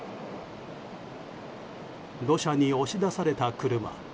土砂に押し出された車。